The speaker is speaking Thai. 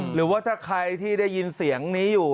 หรือว่าถ้าใครที่ได้ยินเสียงนี้อยู่